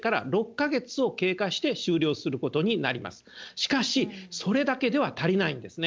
しかしそれだけでは足りないですね。